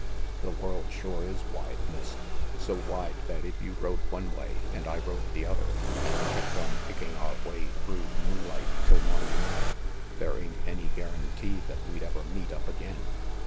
The world shore is wide, Miss; so wide that if you rode one way and I rode the other and kept on picking our way through the moonlight till morning, there ain't any guarantee that we'd ever meet up again."